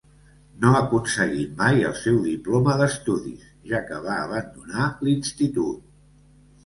No aconseguint mai el seu diploma d'estudis, ja que va abandonar l'institut.